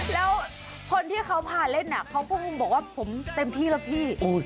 แล้วคนที่เขาพาเล่นเขาก็บอกว่าผมเต็มที่แล้วพี่